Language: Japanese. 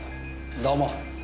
どうも。